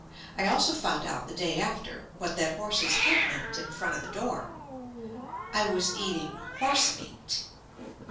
I also found out the day after what that horse's head meant in front of the door — I was eating horse meat.